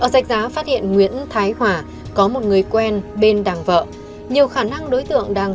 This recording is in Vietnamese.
đối tượng nguyễn thái hòa cùng với vợ lưu tân tú đang lưu trú trên đảo hồng sơn